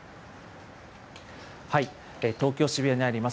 東京・渋谷にあります